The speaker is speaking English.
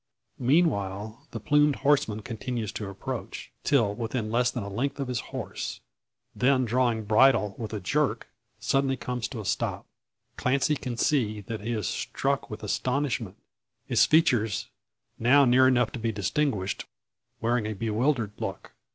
Meanwhile the plumed horseman continues to approach, till within less than a length of his horse. Then drawing bridle with a jerk, suddenly comes to a stop. Clancy can see, that he is struck with astonishment his features, now near enough to be distinguished, wearing a bewildered look.